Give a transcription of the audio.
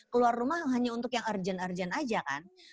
keluar rumah hanya untuk yang urgent urgent aja kan